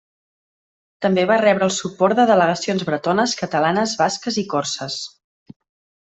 També va rebre el suport de delegacions bretones, catalanes, basques i corses.